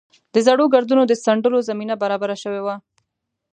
د زړو ګردونو د څنډلو زمینه برابره شوې وه.